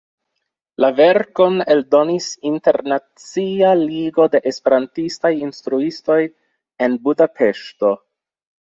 La verkon eldonis Internacia Ligo de Esperantistaj Instruistoj en Budapeŝto.